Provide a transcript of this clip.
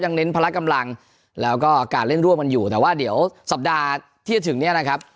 เน้นพละกำลังแล้วก็การเล่นร่วมกันอยู่แต่ว่าเดี๋ยวสัปดาห์ที่จะถึงเนี่ยนะครับ